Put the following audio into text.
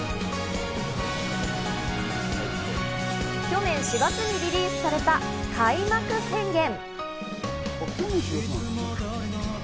去年４月にリリースされた『開幕宣言』。